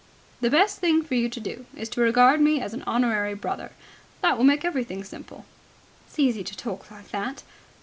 "The best thing for you to do is to regard me as an honorary brother. That will make everything simple." "It's easy to talk like that